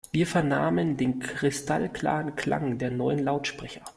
Wir vernahmen den kristallklaren Klang der neuen Lautsprecher.